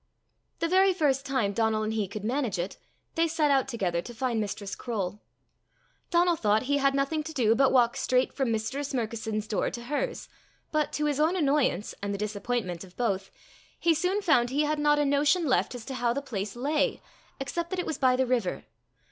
The very first time Donal and he could manage it, they set out together to find Mistress Croale. Donal thought he had nothing to do but walk straight from Mistress Murkison's door to hers, but, to his own annoyance, and the disappointment of both, he soon found he had not a notion left as to how the place lay, except that it was by the river.